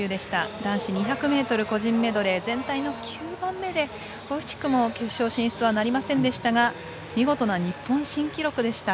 男子２００ｍ個人メドレー全体の９番目で惜しくも決勝進出はなりませんでしたが見事な日本新記録でした。